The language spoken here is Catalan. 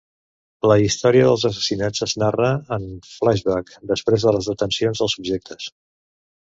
La història dels assassinats es narra en flashback, després de les detencions dels subjectes.